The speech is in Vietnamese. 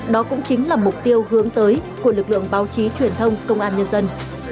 đó cũng chính là mục tiêu hướng tới của lực lượng báo chí truyền thông công an nhân dân